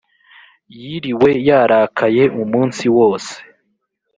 Yiriwe yarakaye umunsi wose